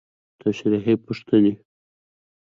تشريحي پوښتنې: